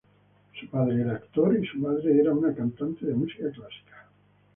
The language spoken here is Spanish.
Su padre era actor y su madre era una cantante de música clásica.